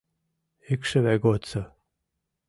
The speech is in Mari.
ИКШЫВЕ ГОДСО